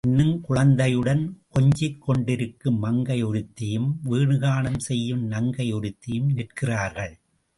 இன்னும் குழந்தையுடன் கொஞ்சிக் கொண்டிருக்கும் மங்கை ஒருத்தியும், வேணுகானம் செய்யும் நங்கை ஒருத்தியும் நிற்கிறார்கள்.